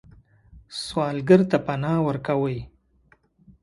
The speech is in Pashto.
سوالګر ته پناه ورکوئ